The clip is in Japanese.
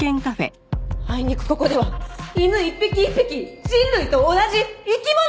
あいにくここでは犬一匹一匹人類と同じ生き物なの！